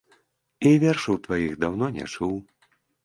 І вершаў тваіх даўно не чуў.